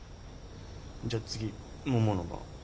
じゃあ次ももの番。